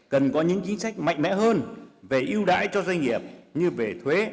cần có những chính sách mạnh mẽ hơn về ưu đãi cho doanh nghiệp như về thuế